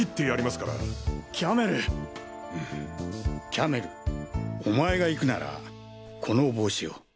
キャメルお前が行くならこの帽子を。